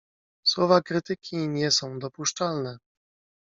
"Słowa krytyki nie są dopuszczalne."